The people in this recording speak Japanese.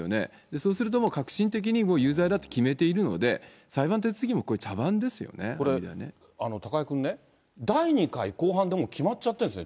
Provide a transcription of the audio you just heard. そうするともう確信的に有罪だって決めているので、これ、高井君ね、第２回公判で決まっちゃってるんですよ。